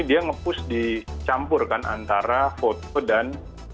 dia nge post dicampur kan antara foto dan